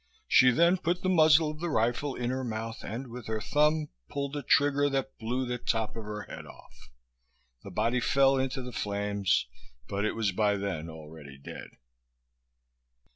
She then put the muzzle of the rifle in her mouth and, with her thumb, pulled the trigger that blew the top of her head off. The body fell into the flames, but it was by then already dead.